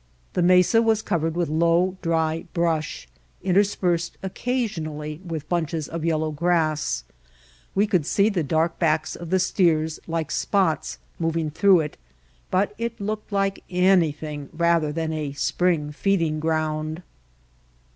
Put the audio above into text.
The mesa was covered with low, dry brush, interspersed occasionally with bunches of yellow grass. We could see the dark backs of the steers like spots moving through it, but it looked like anything rather than a spring feeding ground.